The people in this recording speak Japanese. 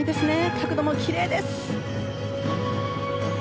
角度もきれいです。